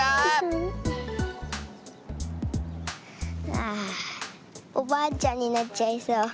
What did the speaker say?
ああおばあちゃんになっちゃいそう。